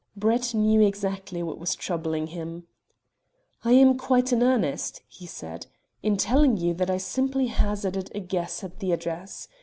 Brett knew exactly what was troubling him. "I am quite in earnest," he said, "in telling you that I simply hazarded a guess at the address.